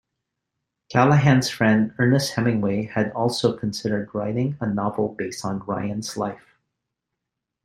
Callaghan's friend Ernest Hemingway had also considered writing a novel based on Ryan's life.